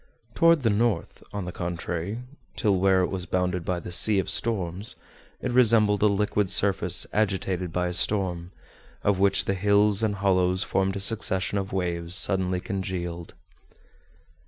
Toward the north, on the contrary, till where it was bounded by the "Sea of Storms," it resembled a liquid surface agitated by a storm, of which the hills and hollows formed a succession of waves suddenly congealed.